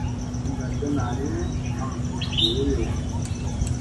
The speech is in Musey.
Ko ndatta naa ni aŋ tut vii ey.